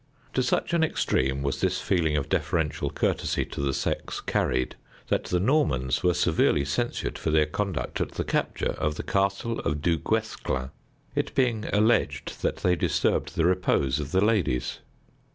To such an extreme was this feeling of deferential courtesy to the sex carried, that the Normans were severely censured for their conduct at the capture of the castle of Du Guesclin, it being alleged that they disturbed the repose of the ladies.